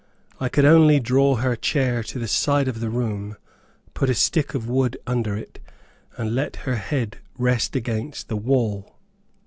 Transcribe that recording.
I could only draw her chair to the side of the room, put a stick of wood under it, and let her head rest against the wall.